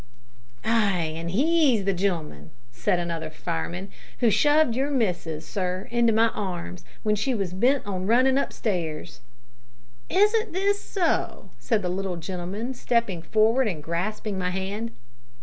"Ay, an' he's the gen'leman," said another fireman, "who shoved your missus, sir, into my arms, w'en she was bent on runnin' up stairs." "Is this so?" said the little gentleman, stepping forward and grasping my hand.